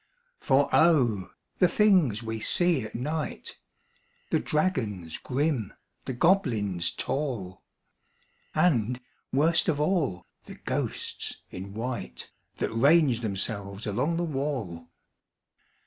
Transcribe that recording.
For O! the things we see at night The dragons grim, the goblins tall, And, worst of all, the ghosts in white That range themselves along the wall!